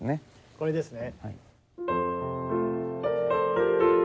これですね。